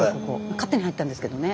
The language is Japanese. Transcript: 勝手に入ったんですけどね。